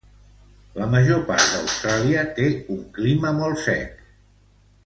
La major part d'Austràlia té un clima molt sec.